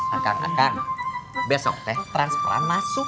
akang akang besok teh transporan masuk